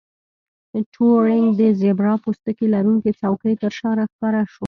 ټورینګ د زیبرا پوستکي لرونکې څوکۍ ترشا راښکاره شو